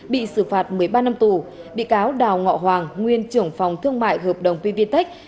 bị xử phạt một mươi ba năm tù bị cáo đào ngo hoàng nguyên trưởng phòng thương mại hợp đồng pvtec